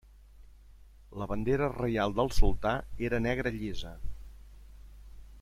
La bandera reial del sultà era negra llisa.